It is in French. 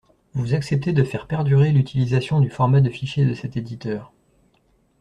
Vous acceptez de faire perdurer l'utilisation du format de fichier de cet éditeur.